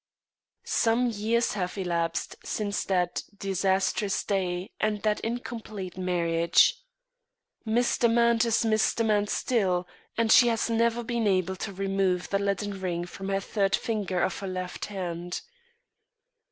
Some years have elapsed since that disastrous day and that incomplete marriage. Miss Demant is Miss Demant still, and she has never been able to remove the leaden ring from the third finger of her left hand.